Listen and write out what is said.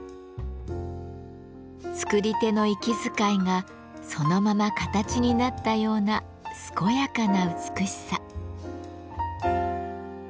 作り手の息遣いがそのまま形になったような健やかな美しさ。